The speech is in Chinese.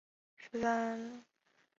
同厂车型合作车型竞争车型